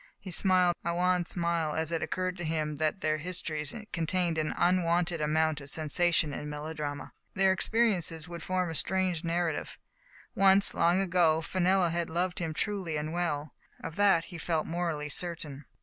He smiled a wan smile, as it occurred to him that their histories contained an unwonted amount of sensation and melodrama. Their experiences would form a strange narrative. Once, long ago, Fenella had loved him truly and well. Of that he felt morally certain.